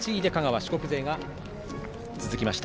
四国勢が続きました。